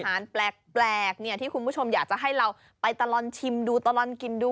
แปลกที่คุณผู้ชมอยากจะให้เราไปตลอดชิมดูตลอดกินดู